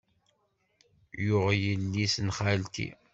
Yuɣ yelli-s n xalti.